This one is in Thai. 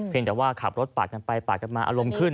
แต่ว่าขับรถปาดกันไปปาดกันมาอารมณ์ขึ้น